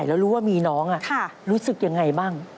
แล้วรู้ว่ามีน้องรู้สึกยังไงบ้าง